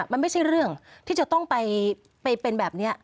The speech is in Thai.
มันไม่ใช่เรื่องที่จะต้องไปเป็นแบบนี้